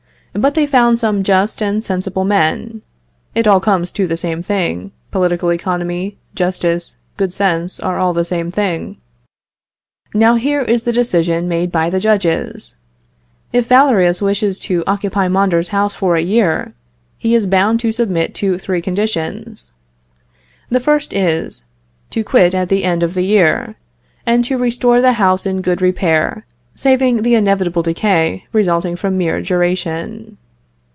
But they found some just and sensible men; it all comes to the same thing: political economy, justice, good sense, are all the same thing. Now here is the decision made by the judges: If Valerius wishes to occupy Mondor's house for a year, he is bound to submit to three conditions. The first is, to quit at the end of the year, and to restore the house in good repair, saving the inevitable decay resulting from mere duration.